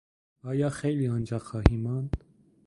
آیا خیلی آنجا خواهی ماند؟